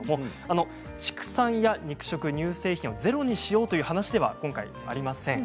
畜産や肉食、乳製品をゼロにしようという話ではありません。